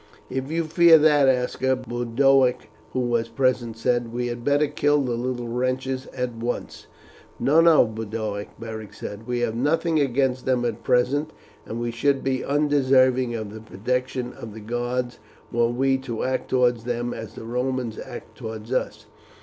"If you fear that, Aska," Boduoc, who was present, said, "we had better kill the little wretches at once." "No, no Boduoc," Beric said. "We have nothing against them at present, and we should be undeserving of the protection of the gods were we to act towards them as the Romans act towards us.